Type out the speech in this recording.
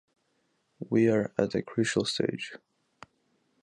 We are at a crucial stage.